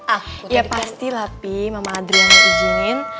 ah ya pasti lah pi mama adriana izinin